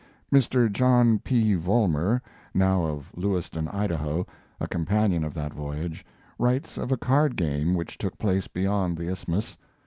[Mr. John P. Vollmer, now of Lewiston, Idaho, a companion of that voyage, writes of a card game which took place beyond the isthmus.